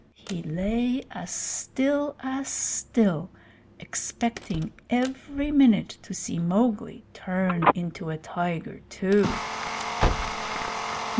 He lay as still as still, expecting every minute to see Mowgli turn into a tiger too.